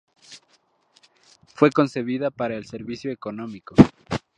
Fue concebida para el servicio Económico.